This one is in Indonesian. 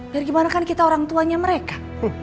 biar gimana kan kita orang tuanya mereka